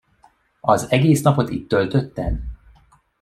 Az egész napot itt töltötted?